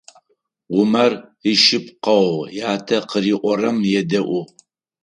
Умар ишъыпкъэу ятэ къыриӏорэм едэӏу.